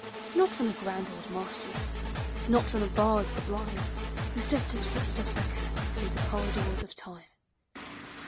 Not from the grand old masters, Not from the bards sublime, Whose distant footsteps echo Through the corridors of Time.